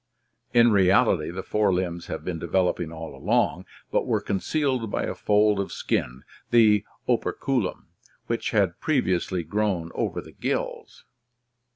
In reality the fore limbs have been developing all 206 ORGANIC EVOLUTION along, but were concealed by a fold of skin, the operculum, which had previously grown over the gills.